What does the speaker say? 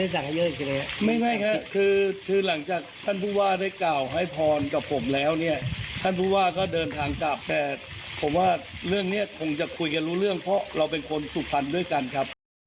สุภัณฑ์ด้วยกันแล้วจะเคลียร์กันง่ายหรือเปล่านะคะ